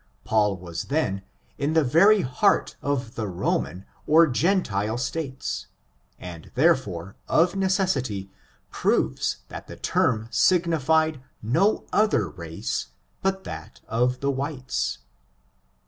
Paul was then in the very heart of the Roman or gentile states^ FORTUNES, OF THE NEGRO RACE; 115 and, therefore, of necessity, proves that the term sig nified no other race, but that of the whites.